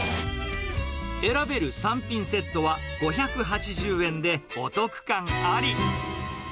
選べる３品セットは５８０円でお得感あり。